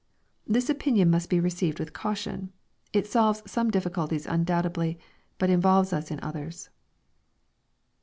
The opinion must be roceived with caution. It solves some dif ficulties undoubtedly, but involves us in others.